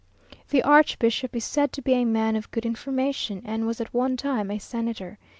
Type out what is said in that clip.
The archbishop is said to be a man of good information, and was at one time a senator.